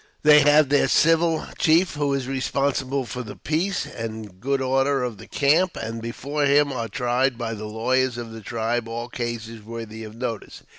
They have their civil chief who is responsible for the peace and good order of the camp; and, before him, are tried, by the lawyers of the tribe, all cases worthy of notice.